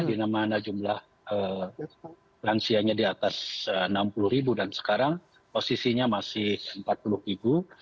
di mana jumlah lansianya di atas enam puluh ribu dan sekarang posisinya masih empat puluh ribu